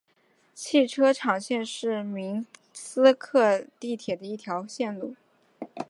汽车厂线是明斯克地铁的一条路线。